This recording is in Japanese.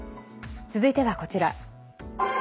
続いては、こちら。